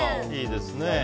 いいですね。